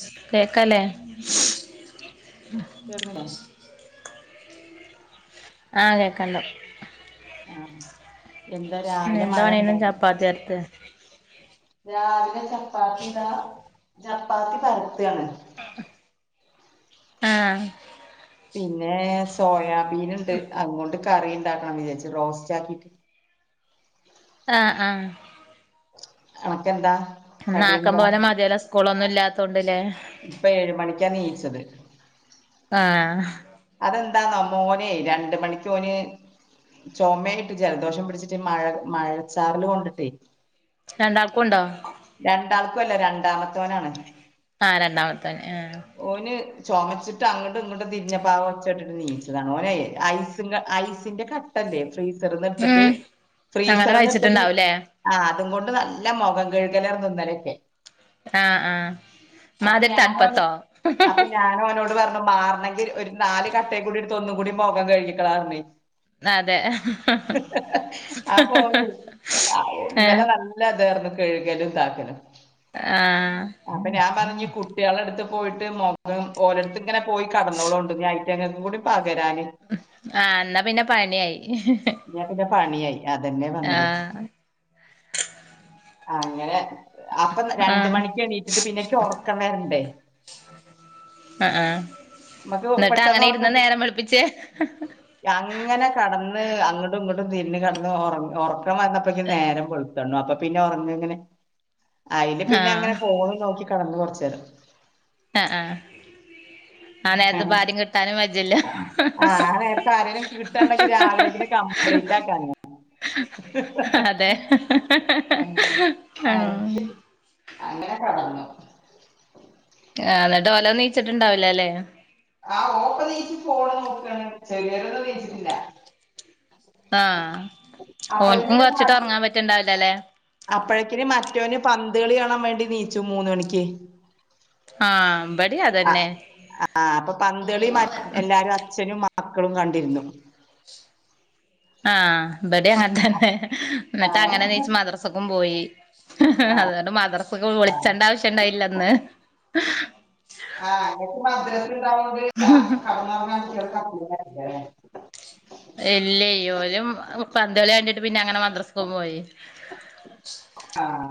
സ് കേക്കാല്ലേ? കെട്ന്നില്ലേ? ആഹ് കേക്കാണ്ട് ആഹ് എന്താ രാവിലെ ന്താ മഴ പണീണ് ഉണ്ടോ ചാപ്പാത്ത്യോ അടുത്ത്? രാവിലെ ചപ്പാത്തിതാ. ചപ്പാത്തി പരത്താണ്. ആഹ് പിന്നേ സോയാബീന്ണ്ട്. അത്ങ്ങോണ്ട് കറീണ്ടാക്കണം വിചാരിച്ച്. റോസ്റ്റ് ആക്കിട്ട് ആഹ ആഹ് അണക്കെന്താ? ന്നാ ആക്കം കടിയെന്താ പോലെ മത്യേലോ സ്കൂളൊന്നുംല്ലാത്തോണ്ട്ല്ലേ? ഇപ്പ ഏഴ് മണിക്കാ നീച്ചത് ആഹ് അതെന്താന്നോ? മോനേയ് രണ്ട്മണിക്കോന് ചൊമേയിട്ട് ജലദോഷം പിടിച്ചിട്ട്. ഈ മഴ മഴച്ചാറല് കൊണ്ടിട്ടേ രണ്ടാക്കും ണ്ടോ? രണ്ടാക്കും അല്ല രണ്ടാമത്തോനാണ് ആഹ് രണ്ടാമത്തോന് ആഹ് ഓന് ചൊമച്ചിട്ട് അങ്ങടും ഇങ്ങടും തിരിഞ്ഞപ്പോ ആ ഒച്ചേട്ടിട്ട് നീ ഓനേയ് ഐസും ക ഐസിന്റെ കട്ട ഇല്ലേ? ഫ്രീസറിന്ന്ട്ത്ത്ട്ട് ഉം അങ്ങനെ ഫ്രീസറിന്ന്ട്ത്ത്ട്ട് കഴിച്ചിട്ടുണ്ടാവൂലേ ആഹ് അത്ങ്ങോണ്ട് നല്ല മൊഖം കയ്കലാർന്നു ന്നലൊക്കെ ആഹ് ആഹ് ഇമ്മാതിരി തണ്പ്പത്തോ ഞാനും ഓനോട് പറഞ്ഞു മാറണെങ്കി ഒരു നാല് കട്ടേ കൂടിയെടുത്തോ ഒന്നും കൂടി മൊഖം കഴുകിക്കാളാർഞ്ഞ് അതെ അപ്പൊ ഓന് അഹ് ഊ ഏഹ് ഇന്നലെ വന്ന ല്ല ഇതാർന്ന് കഴുകലും താക്കലും ആഹ് അപ്പൊ ഞാൻ പറഞ്ഞ് കുട്ടിയാളെ അടുത്ത് പോയിട്ട് മു ഉം ഓലടത്ത് ഇങ്ങനെ പോയി കടന്നോളോണ്ടു ഇഞ്ഞി അയിറ്റങ്ങക്കും കൂടി പകരാന് ആഹ് ന്നാ പിന്നെ പണിയായി ഞാൻ പിന്നെ പണിയായി അതന്നെ പറഞ്ഞതെയ് ആഹ് അങ്ങനെ അപ്പൊ രണ്ട് ആഹ് മണിക്ക് എണീറ്റിട്ട് പിന്നെ ഇക്ക് ഒർക്കം വരണ്ടേ ആഹ് ആഹ് നമുക്ക് ന്നിട്ട് പെട്ടെന്ന് അങ്ങനെ ഇരിന്ന് ഉറക്കം നേരം വിെളിപ്പിച്ചേ അങ്ങനെ കടന്ന് അങ്ങണ്ടും ഇങ്ങണ്ടും തിരിഞ്ഞ് കെടന്ന് ഒറ ഒറക്കം വന്നപ്പൊയ്ക്കും നേരം വെളുത്തു കാണും അപ്പൊ പി ന്നെ ഉറങ്ങ എങ്ങനെ അയില് പിന്നെ ആഹ് അങ്ങനെ ഫോണും നോക്കി കെടന്നു കൊറച്ചു നേരം ആഹ് ആഹ് ആ അ നേരത്ത് ഇപ്പ ആരും കിട്ടാനും വജ്ജല്ല ആഹ് നേരത്ത് ആരെലും കിട്ടാ ഉണ്ടെങ്കി രാവിലെങ്കിലും കംപ്ലീറ്റാക്കാന അതെ ആ ആഹ് അങ്ങനെ കെടന്നു ആഹ് ന്നിട്ട് ഓലൊന്നും നീച്ചിട്ടുണ്ടാവൂല്ല ല്ലേ ആഹ് ഓപ്പ നീച്ച് പോണ് നോക്കാണ് ചെറിയൊരൊന്നും നീച്ചിട്ടില്ല ആഹ് ഓന്ക്കും അപ്പോഴേക്കും പിന്നെ കൊരച്ചിട്ട് മറ്റേ ഒറങ്ങാൻ പറ്റിണ്ടാവുലല്ലേ അപ്പോഴേക്കിന് മറ്റോന് പന്തളി കാണാൻ വേണ്ടി നീച്ചു മൂന്നണിക്ക് ആ ഇബടിം ആഹ് അതന്നെ ആഹ് അപ്പൊ പന്തളി മറ്റ് എല്ലാരും അച്ഛനും മ മക്കളും കണ്ടിരുന്നു ആഹ് ഇബടെ അങ്ങനെ തന്നെ ആ എന്നിട്ട് അങ്ങനെ നീച്ച് മദ്രസക്കും പോയി ഹ് ഹ് ഹ് അതോണ്ട് മദ്രസക്ക് വിളിച്ചണ്ട ആവശ്യം ഉണ്ടായില്ലന്ന് ഹ് ആഹ് അങ്ങോക്ക് മദ്രസ് കിട്ടാത്തോണ്ട് ആ കേടന്നോറങ്ങാൻ തീരെ പറ്റൂല അല്ലെ ഇല്ലേയ് ഓനും പന്ത് കളി കണ്ടിട്ട് പിന്നെ അങ്ങനെ മദ്രസ്ക്കുപ്പോയി ആഹ്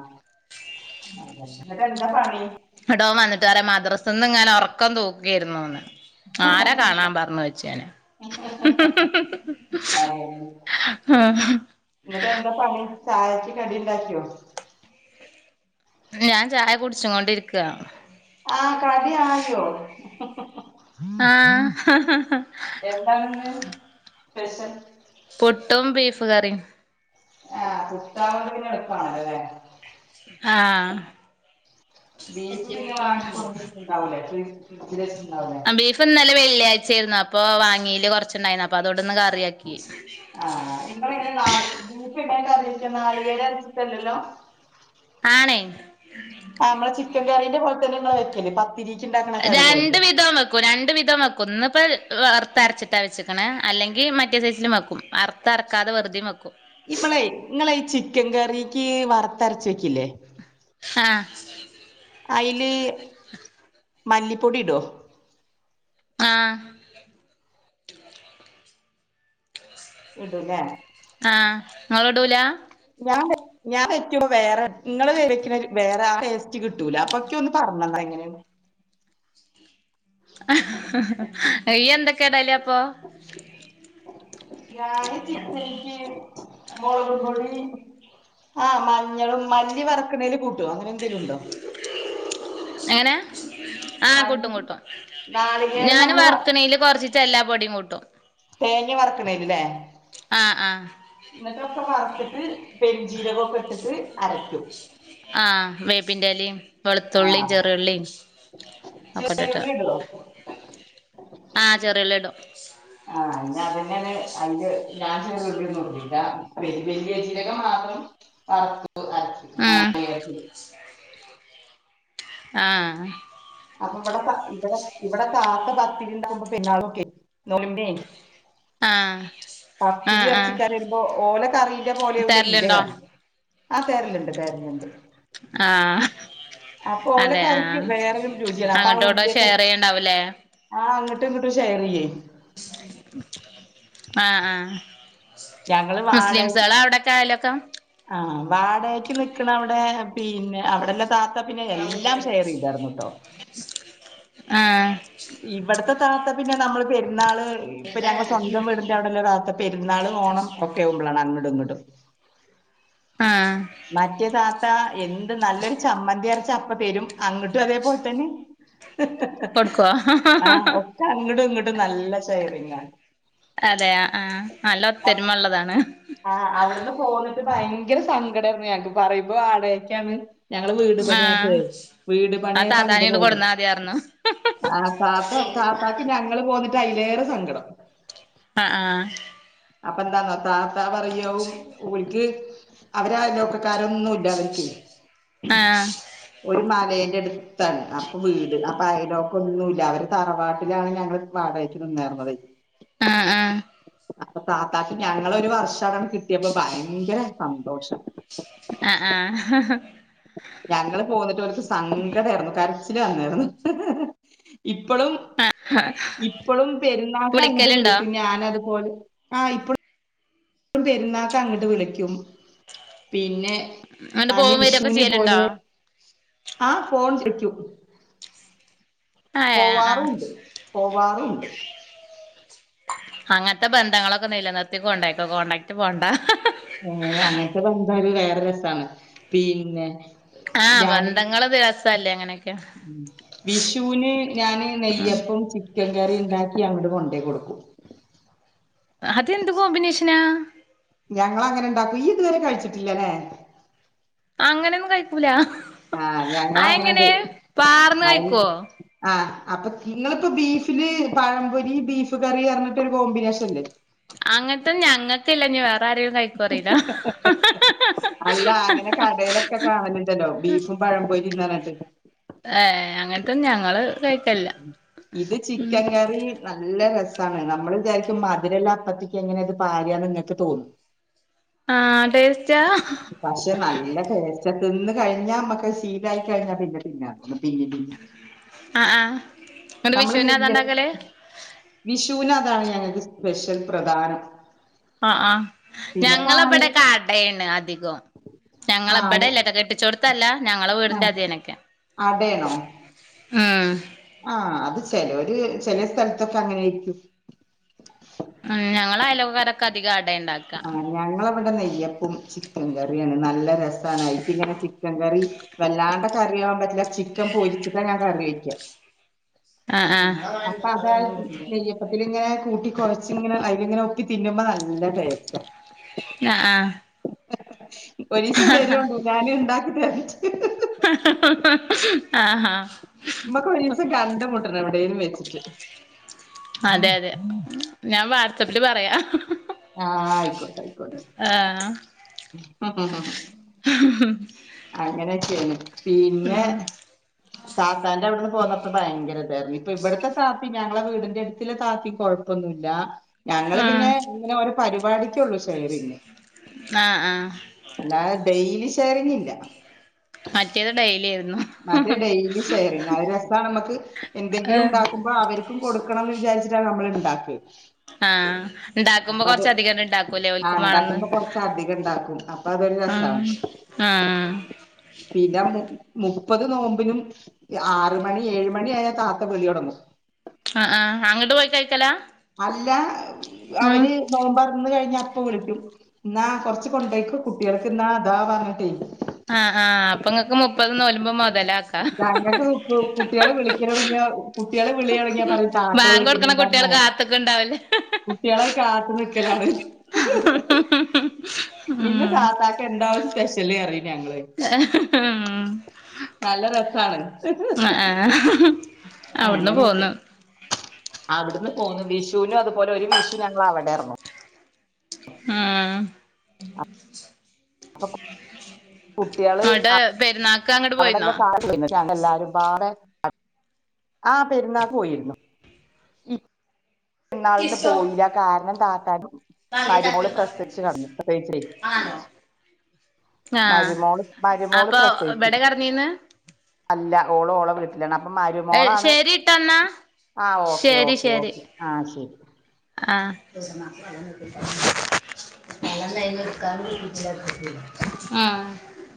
അതന്നെ എന്നിട്ട് എന്താ പണി എന്നിട്ട് അവൻ വന്നിട്ട് പറയും മദ്രസിന്ന് എങ്ങാനം ഒറക്കം തൂക്കിയിരുന്നുയെന്ന് ആരാ കാണാൻ പറഞ്ഞ് വെച്ചേന് അതന്നെ. ആഹ് എന്നിട്ട് എന്താ പണി ചായക്ക് കടി ഒണ്ടാക്കിയോ ഞാൻ ചായ കുടിച്ചു കൊണ്ടിരിക്കുവ ആഹ് കടി ആയോ ആഹ് എന്താണിന്ന് സ്പെഷ്യൽ പുട്ടും ബീഫ് കറിയും ആ പുട്ടാവുമ്പോ പിന്നെ എള്പ്പണല്ലോ ല്ലേ ആഹ് ബീഫ് പിന്നെ വാങ്ങി കൊടുന്ന ണ്ടാവൂലെ ഫ്രീ ഫ്രിഡ്ജിൽ വെച്ചിട്ടുണ്ടാവൂലെ ബീഫ് ഇന്നലെ വെള്ളിയാഴ്ച ആയിരുന്നു അപ്പൊ വാങ്ങീല് കൊറച്ചുണ്ടായിരുന്നു അപ്പൊ അതോണ്ട് ന്ന് കറിആക്കി ആഹ് നിങ്ങള് എങ്ങനെ കാ ബീഫ് എങ്ങനെ കറി വെക്കാ നാളികേരം അരച്ചിട്ടല്ലലോ ആണേയ് ആ മ്മെളെ ചിക്കൻ കറീന്റെ പോലെ തന്നെ ഇങ്ങളെ വെക്കല് പത്തിരി രണ്ട് വിധൊവെക്ക് രണ്ട് വിധം വെക്കും ഇന്ന് ഇപ്പ വറത്ത് അരച്ചിട്ടാ വെച്ചക്ക് ണ് അല്ലെങ്കി മറ്റേ സൈസിലുംവെക്കും തറക്കാതെ വെറുതിം വെക്കും ഇവളെ നിങ്ങളെ ഈ ചിക്കൻ കറിക്ക് വറുത്തരച്ച് വെക്കില്ലേ ആഹ് അയ്ല് മല്ലിപ്പൊടിടോ ആഹ് ഇടുലേ ആഹ് ങ്ങള്ടൂല ഞാബെ ഞാൻ വെക്യുമ്പോ വേറെ ഇങ്ങള് വെക്ക്വെണ് വേറെ ആ ടെസ്റ്റ് കിട്ടൂല അപ്പൊ ഇക്യൊന്ന് പറഞ്ഞന്നാ എങ്ങനെണ് ഇയ്യ് ന്തക്കെടലപ്പോ ഞാന് ചിക്കനിക്യ മൊളക് പൊടി ആ മഞ്ഞളും മല്ലി വറ്ക്ക്ണേല് കൂട്ടോ അങ്ങനെ എന്തെേലുണ്ടോ എങ്ങെനെ ആഹ് കൂട്ടും മല്ലി കൂട്ടും നാളികേരം ഞാന് നമ്മള് വ വർക്ക്‌ണേല് കൊർചീച്ചേ എല്ലാ പൊടിം കൂട്ടും തേങ്ങ വർക്ക്‌ണേല് ലേ ആഹ് ആഹ് ന്നട്ടൊക്കെ വർത്ത്ട്ട് പെരിഞ്ചീര കൊക്കെട്ട്ട്ട് അരക്യും ആഹ് വേപ്പിന്റെലിം വെളുത്തുള്ളീം ആഹ് ചെറിയുള്ളീം ഒക്കട്ടിട്ട് [unintelligible] ആഹ് ചെറിയുള്ളിടും ആഹ് ആഹ് ഇന്ന അതന്നെണ് അയിന്റെ ഞാന് [unintelligible] വല്യയ വലിയ ചീരകം മാത്രം ആഹ് ആഹ് ആഹ് അപ്പം പടെ പത്തി ഇപടെ ഇവടെ താത്ത പത്തിരിണ്ടാവുമ്പോ പെരുന്നാളൊക്കെ നോലിമ്പേനി ആഹ് പത്തിരി ആഹ് ആഹ് എർച്ചിക്കറിര്മ്പോ ഓല കറീന്റെ പോലെയാവൂല ഇന്റെ തരലുണ്ടോ കറി ആഹ് തര്ല്ണ്ട് തര്ല്ണ്ട് ആഹ് ഓലെ അതെ ആ കറിക്ക് വേറൊരു രുചിയാണ് അങ്ങട്ടു ഊട്ടു ഷെയറി യ്യ്ണ്ടാവുല്ലേ ആഹ് അങ്ങട്ടും ഇങ്ങട്ടും ഷെയറിയ്യേ ആഹ് ആഹ് ഞങ്ങള് മുസ്ലിംസേളാ അവ്ടക്കെ അയലക്കം ആഹ് വാടയ്ക്ക് നിക്ക്ണവടെ പിന്നെ അവ്ടന്നെ താത്ത പിന്നെ ആഹ് എല്ലാം ഫ്രീയാണ് ഷെയർ ചെയ്തായിരുന്നു കേട്ടോ ആഹ് ഇബട്ത്തെ താത്ത പിന്നെ നമ്മള് പെരുന്നാള് പ്പഞങ്ങള്സ്വന്തം വീട്ന്റെ അവ്ടെല്ല താത്ത പെര്ന്നാള് ഓണം ഒക്കെവുമ്പളാണ് അങ്ങടു ഇങ്ങട്ടും ആഹ് മറ്റേ താത്ത എന്ത് നല്ലൊരു ചമ്മന്തി അരച്ചാ പ്പതരും അങ്ങട്ടും അതേപോൽതന്നെ പ്പട്ക്കോ ച അങ്ങട്ടു ഇങ്ങട്ടു നല്ല ഷെയറിങ്ങാ അതെ ആ ആ നല്ല ആണ് ഒത്തരുമള്ളതാണ് ആഹ് അവ്ട്ന്ന് പോന്ന്ട്ട് ഭയങ്കര സങ്കടേര്ന്നു ഞങ്ങക്ക് പറയ്മ്പോ വാടകക്ക്യാണ് ഞങ്ങള് വീട് ആ പണി ആയപ്പഴെ വീട് ആ പണിയാപ്പോ താത്താനെ അങ്ങട്ട് ഇങ്ങട് പോയതേ കൊടുന്നാ മതിയാർന്നു ആഹ് താത്തഒക്ക താത്തക്ക് ഞങ്ങള് പോന്നിട്ട് അയ്ലേറെ സങ്കടം അഹ് ആഹ് അപ്പൊ എന്താന്നോ താത്താ പറയാവും ഓൽക്ക് അവരാലോക്ക സ്ക്കാരൊന്നുല്ലൻക്കേ ആ ഒരു മലേന്റെട്ത്താണ് അപ്പൊ വീട്. അപ്പൊ അയലൊക്കൊന്നുല്ല അവര് തറവാട്ടിലാണ് ഞങ്ങള് വാടകക്ക് നിന്നേർന്നതെയ് അഹ് ആഹ് അപ്പൊ താത്താക്ക് ഞങ്ങളൊരു വർഷഅതങ്ങ് കിട്ടിയപ്പോ ഭയങ്കര സന്തോഷം ആ ആ ഹ് ഹ് ഞങ്ങള് പോന്നിട്ട് ഓല്ക്ക് സങ്കട ആരുന്നു കരച്ചില് വന്നായിരുന്നു ഇപ്പളും ഇപ്പളും പെരുന്നാക്ക് അങ്ങ്ട്ട് വിളിക്കലുണ്ടോ വിളിക്കും ഞാനതുപോലെ ആ ഇപ്പളും പെരുന്നാൾക്കു അങ്ങോട്ട് വിളിക്കും പിന്നെ എന്നിട്ട് പോവും [unintelligible] വരൊക്കെ വിഷുവിന് ചെയ്യലുണ്ടോ പോകും ആ ഫോൺ വി ളിക്കും ആ ആ പോവാറുണ്ട് പോവാറുണ്ട് അങ്ങൻത്തെ ബന്ധങ്ങളൊക്കെ നിലനിർത്തിക്കൊണ്ടയ്ക്കോ കോണ്ടാക്ട് പോണ്ട. ഏഹ് അങ്ങനത്തെ ബന്ധം ഒരു വേറെ രസാണ് പിന്നെ ആഹ് ബന്ധങ്ങള് രസല്ലേ അങ്ങനെയൊക്കെ ഉം വിഷുവിന് ഞാന് നെയ്യപ്പും ചിക്കൻ കറി ഉണ്ടാക്കി അവിടെ കൊണ്ട് കൊടുക്കും അതെന്ത് കോമ്പിനേഷനാ ഞങ്ങള് അങ്ങനെ ഇണ്ടാക്കും ഇയ്യ് ഇതുവരെ കഴിച്ചിട്ടില്ലല്ലേ അങ്ങനെയൊന്നും കഴിക്കൂല ആഹ് ആ ഞങ്ങളങ്ങനെണ്ട് എങ്ങനെ പാർന്ന് അയിന് കഴിക്കൊ ആഹ്, അപ്പൊ ങ്ങൾക്ക് ബീഫില് പഴംപൊരി, ബീഫ് കറി, ർഞ്ഞിട്ടൊരു കോമ്പിനേഷൻ ഇല്ലേ അങ്ങനത്തെ ഞങ്ങൾക്ക് ഇല്ല വേറെ ആരേലും കഴിക്കോന്ന് അറീല്ല അല്ല അങ്ങനെ കടേലൊക്കെ കാണല്ണ്ടല്ലോ, ബീഫും പഴംപൊരിം ന്നർഞ്ഞിട്ട് ഏഹ് അങ്ങനത്തെ ഒന്നും ഞങ്ങള് കഴിക്കലില്ല ഇത് ചിക്കൻ കറി നല്ല രസാണ് നമ്മള് വിചാരിക്കും മധുരള്ള അപ്പത്തേക്ക് എങ്ങനെ അത് പാരാന്ന് നിങ്ങക്ക് തോന്നും ആഹ് ടേസ്റ്റാ പക്ഷെ നല്ല ടേസ്റ്റ, തിന്ന് കഴിഞ്ഞാ മ്മക്ക് ശീലായി കഴിഞ്ഞാ പിന്നെ തിന്നാൻ തോന്നും പിന്നിം പിന്നിം അ ആഹ് എന്നിട്ട് നമ്മള് വിഷുവിന് അതാ നെയ്യപ്പ ഇണ്ടാക്കല് വിഷുവിന് അതാണ് ഞങ്ങൾക്ക് സ്പെഷ്യൽ പ്രധാനം ആ ആ പിന്നെ ഞങ്ങള പായ ബടെ അടേണ് അധികും ഞങ്ങളെ ഇബടെ ആഹ് അല്ലേട്ടോ കെട്ടിച്ചോ ടത്തല്ല ഞങ്ങളെ വീടിന്റെ അതേനൊക്കെ അടേണോ? ആന് ആ അത് ചെലോര്, ചെലെ സ്ഥൽത്തൊക്കെ അങ്ങനേര്ക്കും ഉം ഞങ്ങളെ അയലോക്ക ക്കാരൊക്കെ അതികം അട ഇ ണ്ടാക ആഹ് ഞങ്ങളവിടെ നെയ്യപ്പും ചിക്കൻ കറിയാണ് നല്ല രസാണ് അയിക്ക് ഇങ്ങനെ ചിക്കൻ കറി വല്ലാണ്ട് കറി ആകാൻ പറ്റില്ല ചിക്കൻ പൊരിച്ചിട്ടാ ഞാൻ കറി വെക്ക ആഹ് ആഹ് അപ്പ അതാണ് നെയ്യ അപ്പത്തില് ഇങ്ങനെ കൂട്ടി കൊയച്ച് ഇങ്ങനെ അയ്ല് ഇങ്ങനെ ഒക്കെ തിന്നുമ്പ നല്ല ടേസ്റ്റാ ആഹ് ആഹ് ഒരീസം വരോണ്ടു ഞാന് ഇണ്ടാക്കി തരണ്ട് ഹ ഹ ഹ ഹആ ആ നമ്മക്ക് ഒരു ദിവസം കണ്ട്മുട്ടണം എവിടേലും വെച്ചിട്ട് അതെ അതെ ഞാൻ വാട്സപ്പില് പറയാ ആഹ് ആയിക്കോട്ടെ ആയിക്കോട്ടെ ആഹ് അ [inaudible] [inaudible] അങ്ങനെക്കെ ആണ് പിന്നെ താത്താന്റെ അവിടുന്ന് പോന്നപ്പോ ഭയങ്കര ഇത് ഇഞ്ഞിപ്പൊ ഇവിടത്തെ താത്തി ഞങ്ങളെ വീടിന്റെഅടുത്ത താത്തി കൊഴം പ്പൊന്നുല്ല. ഞങ്ങള് ആഹ് പിന്നെ ഇങ്ങനെ ഓരോ പരിപാടി കൊള്ളൂ ഷെയറെ യ്യ്ണത് ആഹ് ആഹ് അല്ലാതെ ഡെയിലി ഷെയറിങ്ങില്ല മറ്റേത് ഡെയിലി ആയിരുന്നു മറ്റേത് ഡെയിലി ഷെയറിങ്ങ് ആ രസമാണ് നമ്മക്ക് എന്തെങ്കിലും ഏഹ് ഉണ്ടാക്കും അപ്പൊ അവർക്കും കൊടുക്കണംന്ന് വിചാരിച്ചിട്ടാണ് നമ്മൾ ഇണ്ടാക്കി ആഹ് ഇണ്ടാക്കുമ്പോ കൊറച്ചധികങ്ങട്ട് ഇണ്ടാക്കുംല്ലേ ആ ഓൽകും വാണന്ന്. ഉണ്ടാക്കുമ്പോ കൊറച്ച് അധികം ഉണ്ടാക്കും അപ്പൊ അതൊരു അ രസാണ് ആഹ് പിന്നെ മു മുപ്പത് നോമ്പിനും ആറ്മണി ഏഴ് മ മണിയായ താത്ത വിളിയൊടങ്ങും. അ ആഹ് അങ്ങോട്ട് പോയി കഴിക്കലാ അല്ല ഉം അവര് നോമ്പറന്ന് കഴിഞ്ഞ അപ്പോ വിളിക്കും ഇന്നാ കൊറച്ച് കൊണ്ടൊയ്ക്കോ കുട്ടികൾക്ക്ന്നാ അതാ പറഞ്ഞിട്ടേയ് ആഹ് ആഹ് ആഹ് അപ്പങ്ങക്ക് മുപ്പത് തോൽമ്പും മൊതല ഞങ്ങക്ക് ത്പ്പോ കുട്ട്യോള് വിളിക്കലൊട്ങ്ങ്യാ കുട്ട്യോള് വിളിയൊടങ്ങ്യാപറയും താത്ത വിളിക്ക്ണ്ട്ന്ന്. കുട്ടേള് കാത്ത്ക്ണ്ടാവ കുട്ടേളെ കാത്ത്ക്കലാണ്. ഹും ഹും ഹു ഇന്ന് താത്താക്കെന്താവും സ്പെഷ്യല് പറിം ഞങ്ങള്. ഹും ഹു ഹൂ നല്ല രസാണ് അ ആഹ് അവ്ട്ന്ന് ആങ്ങനെക്കെ പോന്നു അവ്ട്ന്ന് പോന്നു വിഷൂനു അതുപോലെ ഒരു വിഷു ഞങ്ങൾ അവടെർന്നു. ഉം ആടെ പെരുന്നാ അവിടെല്ലാം [inaudible] എല്ലാരും പാടെ ആഹ് പെരുന്നാക് പോയിരുന്നു. പെര്ന്നാളിന് പോയില കാരണം താത്താക്ക് മരുമോള് പ്രസവിച്ചു കടന്നു പ്രസവിച്ചേ ആഹ് മരുമോള് മരുമോള് അപ്പൊ പ്രസവിച്ചു. ഇബടെ കെടന്നീന്ന് അല്ല ഓള് ഓളെ വീട്ടിലാണ് അപ്പൊ മരുമോളാണ് ശരിട്ടന്നാ ആഹ് ഓക്കേ ശരി ഓക്കേ ശരി ഓക്കെ ആഹ് ശരി. ആഹ് [inaudible] ആഹ്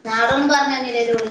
ഞങ്ങളോടൊന്നും പറഞ്ഞന്നില്ലലോ ഓൾ